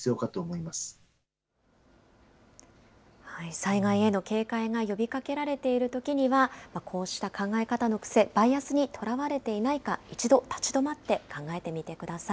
災害への警戒が呼びかけられているときには、こうした考え方の癖、バイアスにとらわれていないか、一度立ち止まって考えてみてください。